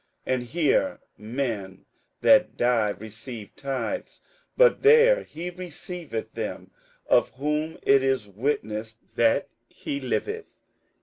58:007:008 And here men that die receive tithes; but there he receiveth them, of whom it is witnessed that he liveth.